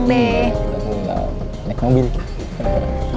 nanti kita pulang deh